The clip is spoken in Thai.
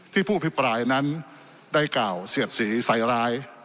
ผู้อภิปรายนั้นได้กล่าวเสียดสีใส่ร้าย